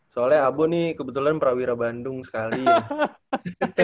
soalnya abu nih kebetulan prawira bandung sekali ya